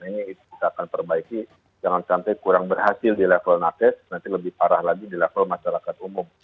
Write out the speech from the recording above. ini kita akan perbaiki jangan sampai kurang berhasil di level nakes nanti lebih parah lagi di level masyarakat umum